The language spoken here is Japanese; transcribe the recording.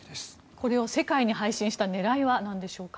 これを世界に配信した狙いはなんでしょうか。